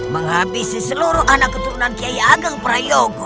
menghabisi seluruh anak keturunan kiai agang prayogo